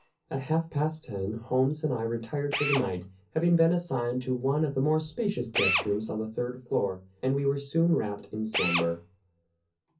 At half past ten Holmes and I retired for the night, having been assigned to one of the spacious guest rooms on the third floor; and soon we were wrapped in slumber.